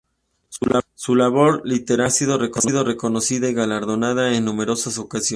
Su labor literaria ha sido reconocida y galardonada en numerosas ocasiones.